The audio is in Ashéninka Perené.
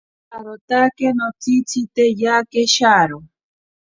Itsarotake notsitzite yake sharo.